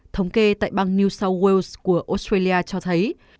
thống kê tại bang new south wales của australia cho thấy